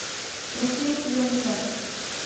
Creció y estudió en Líbano.